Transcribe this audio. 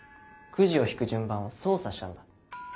くじを引く順番を操作したんだ。